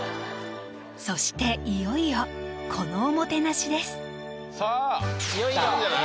そしていよいよこのおもてなしですさあ来たんじゃない？